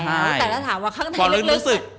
แต่ถ้าถามว่าข้างในลึก